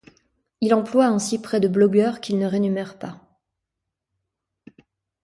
Il emploie ainsi près de blogueurs qu'il ne rémunère pas.